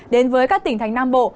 đến với các tỉnh thành nam bộ